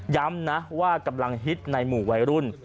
ย้ำนะว่ากำลังฮิตในหมู่วัยรุ่น